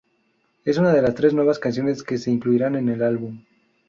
Es una de las tres nuevas canciones que se incluirán en el álbum.